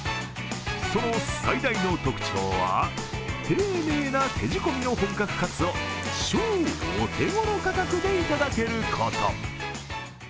その最大の特徴は丁寧な手仕込みの本格カツを超お手頃価格で頂けること。